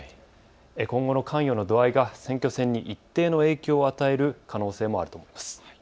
今後の関与の度合いが選挙戦に一定の影響を与える可能性もあると思います。